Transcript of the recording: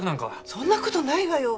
そんな事ないわよ。